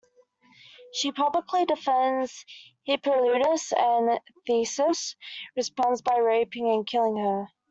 She publicly defends Hippolytus and Theseus responds by raping and killing her.